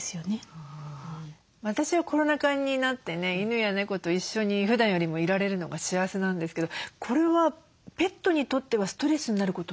私はコロナ禍になってね犬や猫と一緒にふだんよりもいられるのが幸せなんですけどこれはペットにとってはストレスになることもあるんですかね？